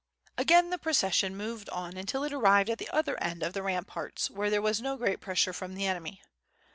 ^Vgain the procession moved on until it arrived at the other Olid of the ramparts where there was no great pressure from tl\e enemy.